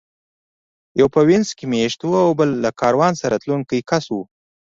یو په وینز کې مېشت و او بل له کاروان سره تلونکی کس و